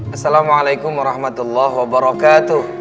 assalamualaikum warahmatullah wabarakatuh